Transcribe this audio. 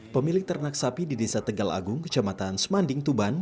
pemilik ternak sapi di desa tegal agung kecamatan semanding tuban